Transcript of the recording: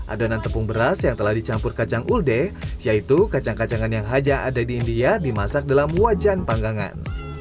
adonan tepung beras yang telah dicampur kacang ulde yaitu kacang kacangan yang haja ada di india dimasak dalam wajan panggangan